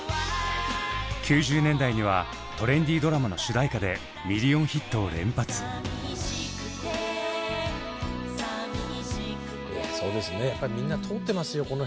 ９０年代にはトレンディードラマの主題歌でそうですねみんな通ってますよ